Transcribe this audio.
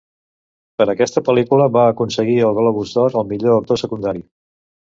Per aquesta pel·lícula va aconseguir el Globus d'Or al millor actor secundari.